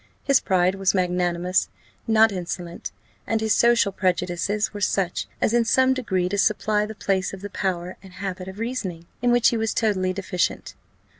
His pride was magnanimous, not insolent; and his social prejudices were such as, in some degree, to supply the place of the power and habit of reasoning, in which he was totally deficient.